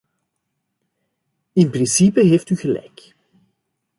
In principe heeft u gelijk.